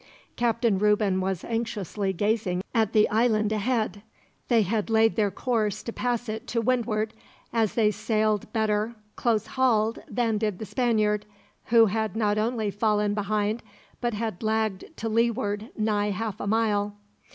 Captain Reuben was anxiously gazing at the island ahead. They had laid their course to pass it to windward, as they sailed better, close hauled, than did the Spaniard; who had not only fallen behind, but had lagged to leeward nigh half a mile.